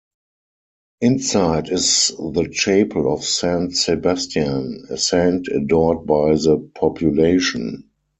Inside is the chapel of Saint Sebastian, a saint adored by the population.